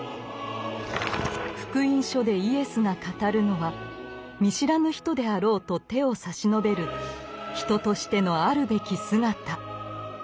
「福音書」でイエスが語るのは見知らぬ人であろうと手を差し伸べる人としてのあるべき姿。